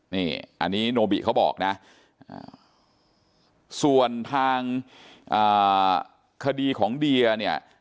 นี่อันนี้โนบิเขาบอกนะส่วนทางคดีของเดียเนี่ย